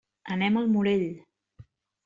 Anem al Morell.